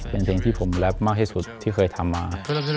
เป็นเพลงที่ผมแรปมากที่สุดที่เคยทำมา